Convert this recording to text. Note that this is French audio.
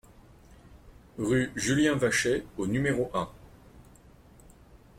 Rue Julien Vachet au numéro un